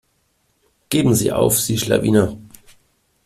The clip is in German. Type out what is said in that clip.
Geben sie auf, sie Schlawiner.